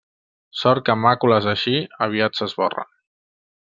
Sort que màcules així aviat s'esborren.